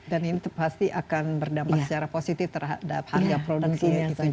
dan ini pasti akan berdampak secara positif terhadap harga produksinya